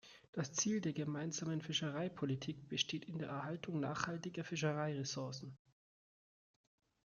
Das Ziel der Gemeinsamen Fischereipolitik besteht in der Erhaltung nachhaltiger Fischereiressourcen.